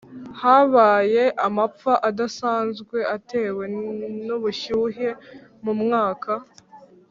habaye amapfa adasanzwe atewe n’ubushyuhe mu mwaka